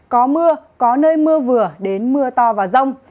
có mưa có nơi mưa vừa đến mưa to và rông